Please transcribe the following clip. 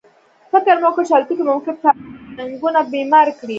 فکر مې وکړ چې الوتکې ممکن ټانکونه بمبار کړي